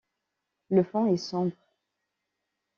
Le fond est sombre.